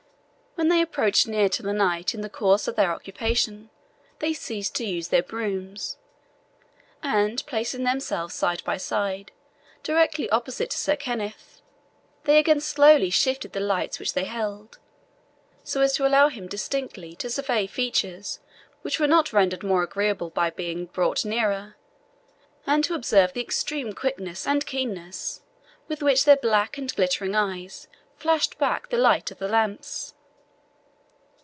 When they approached near to the knight in the course of their occupation, they ceased to use their brooms; and placing themselves side by side, directly opposite to Sir Kenneth, they again slowly shifted the lights which they held, so as to allow him distinctly to survey features which were not rendered more agreeable by being brought nearer, and to observe the extreme quickness and keenness with which their black and glittering eyes flashed back the light of the lamps.